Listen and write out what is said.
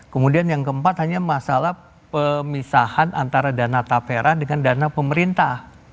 kemudian yang keempat hanya masalah pemisahan antara dana tapera dengan dana pemerintah